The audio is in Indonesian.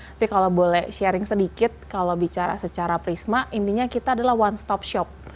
tapi kalau boleh sharing sedikit kalau bicara secara prisma intinya kita adalah one stop shop